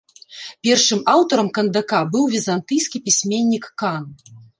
Першым аўтарам кандака быў візантыйскі пісьменнік кан.